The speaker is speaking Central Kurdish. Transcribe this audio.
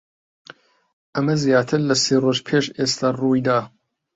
ئەمە زیاتر لە سێ ڕۆژ پێش ئێستا ڕووی دا.